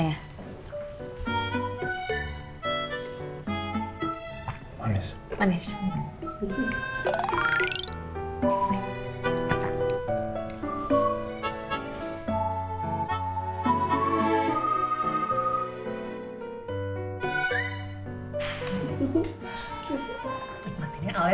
mama kamu suka kelapa juga